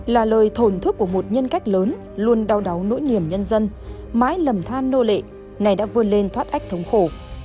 là lời thổn thức của một nhân cách lớn luôn đau đáu nỗi niềm nhân dân mãi lầm than nô lệ này đã vươn lên thoát ếch thống khổ